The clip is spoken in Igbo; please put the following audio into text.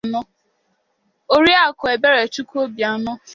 Oriakụ Eberechukwu Obianọ